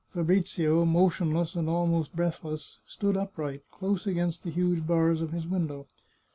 Fabrizio, motionless and almost breathless, stood upright, close against the huge bars of his window.